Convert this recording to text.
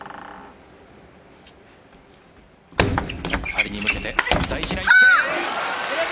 パリに向けて大事な一戦。